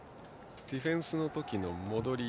ディフェンスのときの戻り